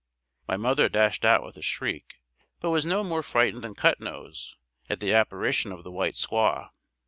My mother dashed out with a shriek, but was no more frightened than Cut Nose, at the apparition of the white squaw.